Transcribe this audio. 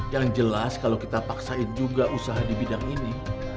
yang jelas kalau kita paksain juga usaha di bidang ini